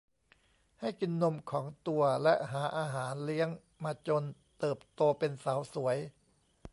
ให้กินนมของตัวและหาอาหารเลี้ยงมาจนเติบโตเป็นสาวสวย